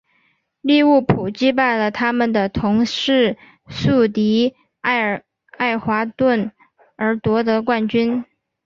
利物浦击败了他们的同市宿敌爱华顿而夺得冠军。